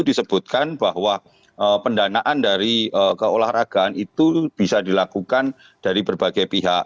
disebutkan bahwa pendanaan dari keolahragaan itu bisa dilakukan dari berbagai pihak